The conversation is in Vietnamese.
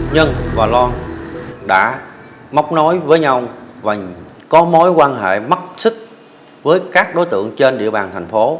nhân và loan đã móc nối với nhau và có mối quan hệ mắc xích với các đối tượng trên địa bàn thành phố